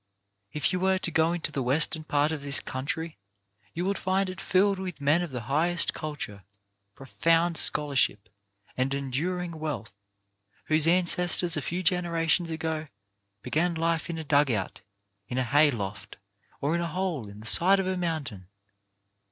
If you were to go into the Western part of this country you would find it filled with men of the highest culture, profound scholarship, and enduring wealth, whose ancestors a few gen erations ago began life in a dug out, in a hay loft, 262 CHARACTER BUILDING or in a hole in the side of a mountain.